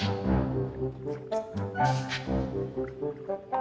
lihat tuh siapa yang menikuku banget ya